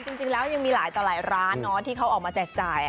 จริงแล้วยังมีหลายร้านที่เขาออกมาแจกจ่าย